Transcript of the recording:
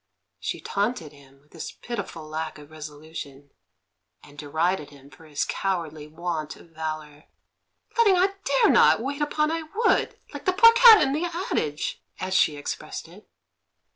She taunted him with his pitiful lack of resolution, and derided him for his cowardly want of valour "Letting 'I dare not' wait upon 'I would,' like the poor cat in the adage," as she expressed it.